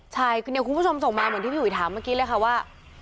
ใช่คุณผู้ชมส่งมาหลังที่ภิกะหอยถามเลยครับว่า